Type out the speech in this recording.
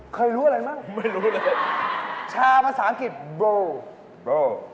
เคยรู้อะไรมั้งชามภาษาอังกฤษ